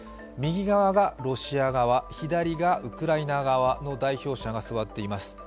右側がロシア側左がウクライナ側の代表者が座っています。